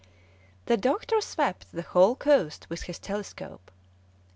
The doctor swept the whole coast with his telescope.